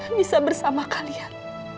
bisa bersama kalian